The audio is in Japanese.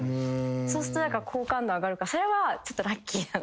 そうするとだから好感度上がるからそれはちょっとラッキーだな。